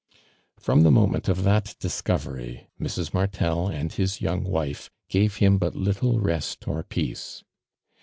From the moment of that discovery, Mrs. Martel and his young wife gave him but little rest or peace.